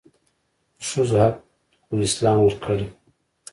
دښځو حق خواسلام ورکړي